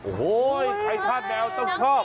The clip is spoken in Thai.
โอ้โหใครธาตุแมวต้องชอบ